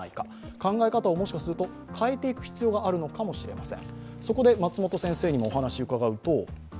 考え方をもしかすると変えていく必要があるのかもしれません。